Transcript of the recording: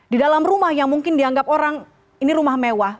di dalam rumah yang mungkin dianggap orang ini rumah mewah